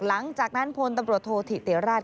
หลังจากนั้นพลตบรวจโทษถิเตียร์ราช